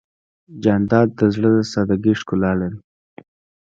جانداد د زړه د سادګۍ ښکلا لري.